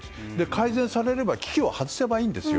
改善されれば危機を外せばいいんですよ。